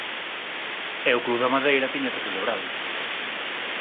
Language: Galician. E o club da Madeira tiña que celebralo.